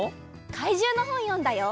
かいじゅうのほんよんだよ！